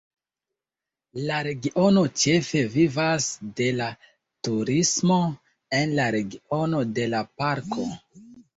La regiono ĉefe vivas de la turismo en la regiono de la parko.